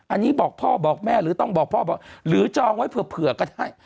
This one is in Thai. อันนี้บอกพ่อบอกแม่หรือต้องบอกพ่อบอกหรือจองไว้เผื่อก็ได้